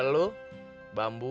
daripada lu bambu